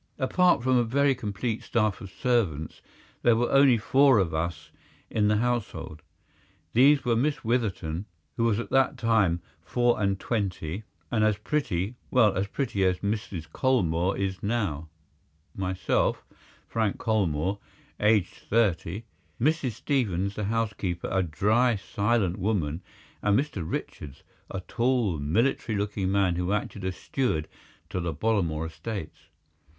Apart from a very complete staff of servants there were only four of us in the household. These were Miss Witherton, who was at that time four and twenty and as pretty—well, as pretty as Mrs. Colmore is now—myself, Frank Colmore, aged thirty, Mrs. Stevens, the housekeeper, a dry, silent woman, and Mr. Richards, a tall military looking man, who acted as steward to the Bollamore estates.